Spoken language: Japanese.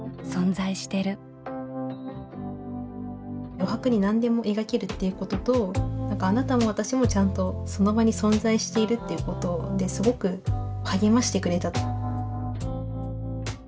余白に何でも描けるっていうこととあなたも私もちゃんとその場に存在しているっていうことですごく励ましてくれた。